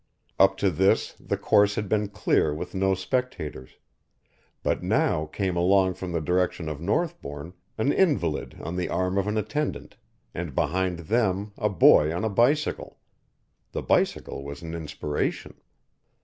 Up to this the course had been clear with no spectators, but now came along from the direction of Northbourne an invalid on the arm of an attendant, and behind them a boy on a bicycle. The bicycle was an inspiration.